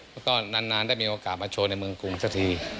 แล้วก็นานได้มีโอกาสมาโชว์ในเมืองกรุงสักที